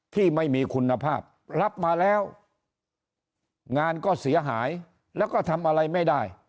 ที่ไม่มีคุณภาพรับมาแล้วงานก็เสียหายแล้วก็ทำอะไรไม่ได้